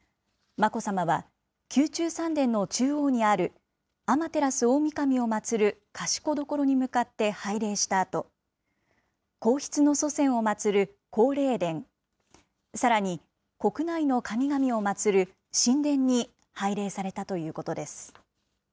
眞子さまは、宮中三殿の中央にある天照大神を祭る賢所に向かって拝礼したあと、皇室の祖先を祭る皇霊殿、さらに国内の神々をまつる神殿に拝礼されたということです。